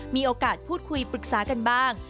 มีโอกาสพูดคุยปรึกษากันบ้าง